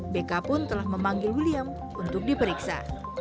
bk pun telah memanggil william untuk diperiksa